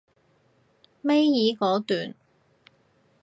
尾二嗰段